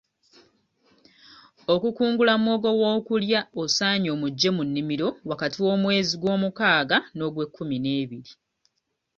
Okukungula muwogo ow'okulya osaanye omuggye mu nnimiro wakati w'omwezi ogw'omukaaga n'ogwe kkumi n'ebiri